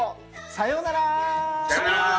さようなら。